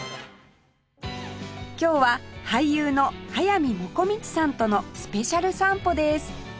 今日は俳優の速水もこみちさんとのスペシャル散歩です